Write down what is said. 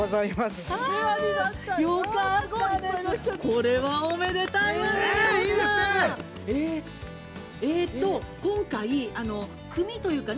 これはおめでたいわね。